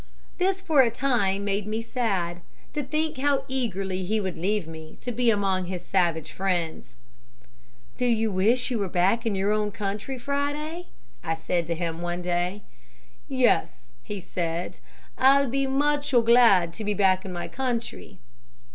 This for a time made me sad, to think how eagerly he would leave me to be among his savage friends. 'Do you not wish you were back in your own country, Friday?' I said to him one day. 'Yes,' he said, 'I be much O glad to be back in my country.'